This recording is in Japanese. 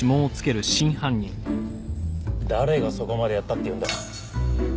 誰がそこまでやったっていうんだ？